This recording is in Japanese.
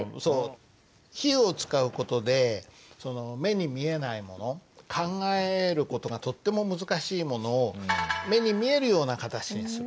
比喩を使う事で目に見えないもの考える事がとっても難しいものを目に見えるような形にする。